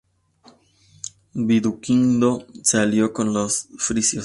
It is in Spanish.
Viduquindo se alió con los frisios.